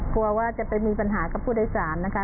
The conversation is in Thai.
กลัวว่าจะไปมีปัญหากับผู้โดยสารนะคะ